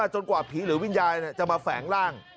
กว่าผีหรือวิญญาณจะมาแฝงร่าง